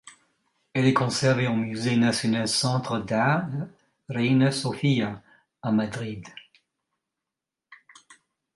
Elle est conservée au musée national centre d'art Reina Sofía, à Madrid.